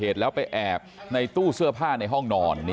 ฐภคั่ง